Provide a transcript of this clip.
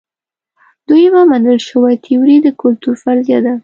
دویمه منل شوې تیوري د کلتور فرضیه ده.